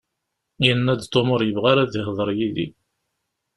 Yenna-d Tom ur yebɣi ara ad yehder yid-i.